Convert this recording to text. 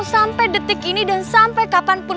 sampai detik ini dan sampai kapanpun